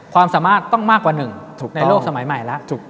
ความสามารถต้องมากกว่าหนึ่งในโลกสมัยใหม่แล้ว